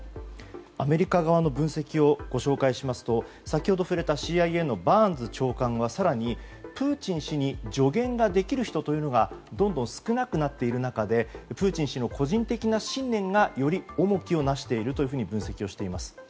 アメリカ側の分析ではＣＩＡのバーンズ長官は更にプーチン氏に助言ができる人というのがどんどん少なくなっている中でプーチン氏の個人的な信念がより重きをなしていると分析しています。